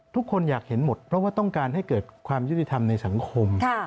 ทุกคนอยากเห็นหมดเพราะว่าต้องการให้เกิดความยุติธรรมในสังคม